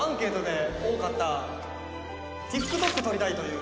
「ＴｉｋＴｏｋ撮りたいという」